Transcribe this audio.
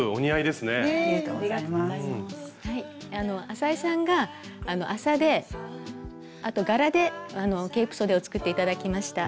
浅井さんが麻であと柄でケープそでを作って頂きました。